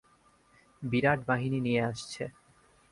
বিরাট বাহিনী নিয়ে আসছে।